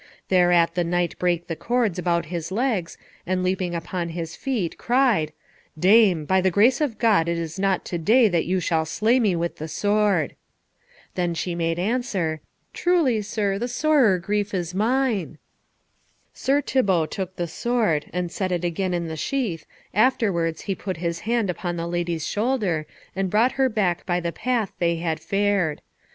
Thereat the knight brake the cords about his legs, and leaping upon his feet, cried, "Dame, by the grace of God it is not to day that you shall slay me with the sword." Then she made answer, "Truly, sir, the sorer grief is mine." Sir Thibault took the sword, and set it again in the sheath, afterwards he put his hand upon the lady's shoulder, and brought her back by the path they had fared.